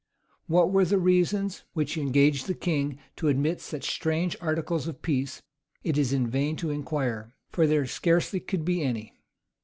[*] What were the reasons which engaged the king to admit such strange articles of peace, it is in vain to inquire; for there scarcely could be any.